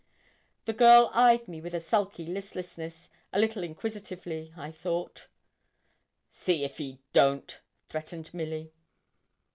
The girl eyed me with a sulky listlessness, a little inquisitively, I thought. 'See if he don't,' threatened Milly.